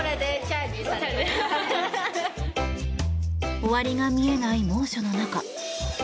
終わりが見えない猛暑の中